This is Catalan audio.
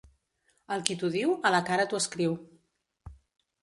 El qui t'ho diu, a la cara t'ho escriu.